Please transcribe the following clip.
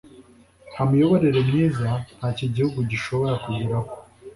nta miyoborere myiza nta cyo igihugu gishobora kugeraho